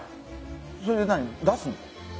それで何出すの？